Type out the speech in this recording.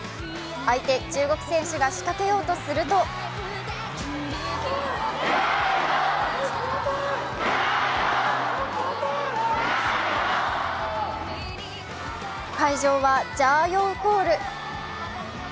相手、中国選手が仕掛けようとすると会場は加油コール。